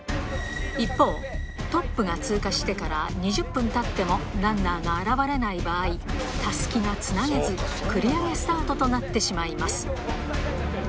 一方、トップが通過してから２０分たっても、ランナーが現われない場合、たすきがつなげず、繰り上げスタートとなってしまいます。